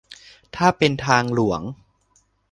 ถ้าเป็นทางหลวง